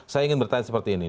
saya ingin bertanya seperti ini